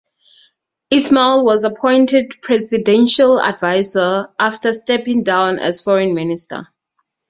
Ismail was appointed Presidential Advisor after stepping down as Foreign Minister.